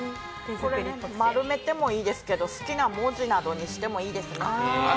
丸めてもいいですけど好きな文字などにしてもいいですね。